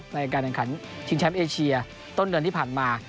ในการแข่งขันชิงแชมป์เอเชียต้นเดือนที่ผ่านมา